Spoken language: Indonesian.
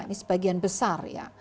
ini sebagian besar ya